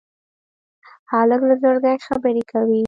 هلک له زړګي خبرې کوي.